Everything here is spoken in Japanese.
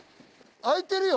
開いてるよ。